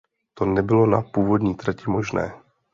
To nebylo na původní trati možné.